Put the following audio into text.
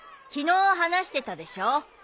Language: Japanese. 昨日話してたでしょ？